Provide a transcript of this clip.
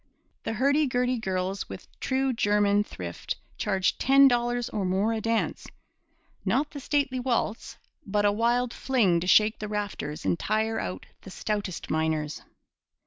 The hurdy gurdy girls with true German thrift charged ten dollars or more a dance not the stately waltz, but a wild fling to shake the rafters and tire out the stoutest miners.